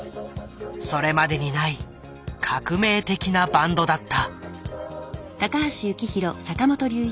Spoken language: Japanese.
それまでにない革命的なバンドだった。